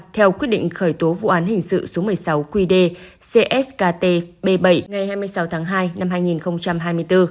theo quyết định khởi tố vụ án hình sự số một mươi sáu qd cskt b bảy ngày hai mươi sáu tháng hai năm hai nghìn hai mươi bốn